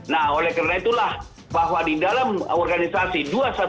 nah oleh karena itulah bahwa di dalam organisasi dua ratus dua belas